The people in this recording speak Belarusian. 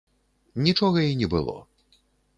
Нічога і не было.